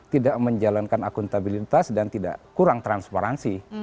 tidak menjalankan akuntabilitas dan tidak kurang transparansi